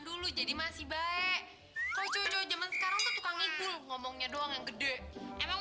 dulu jadi masih baik kok jojo zaman sekarang tuh tukang ipul ngomongnya doang yang gede emang